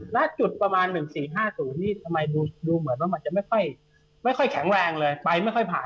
ณจุดประมาณ๑๔๕๐นี่ทำไมดูเหมือนว่ามันจะไม่ค่อยแข็งแรงเลยไปไม่ค่อยผ่าน